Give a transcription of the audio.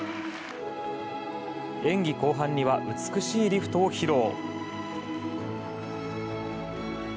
演技後半には美しいリフトを披露。